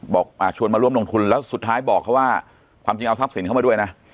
ชวนมาร่วมลงทุนแล้วสุดท้ายบอกเขาว่าความจริงเอาทรัพย์สินเข้ามาด้วยนะ